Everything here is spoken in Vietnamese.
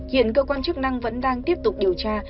hiện cơ quan chức năng vẫn đang tiếp tục điều tra